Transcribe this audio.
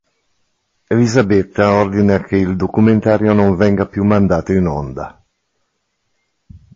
Elisabetta ordina che il documentario non venga più mandato in onda.